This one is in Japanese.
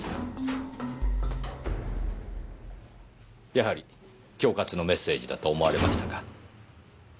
やはり恐喝のメッセージだと思われましたか？